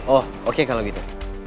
oh oke kalau gitu